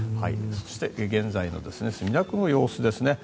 現在の墨田区の様子ですね。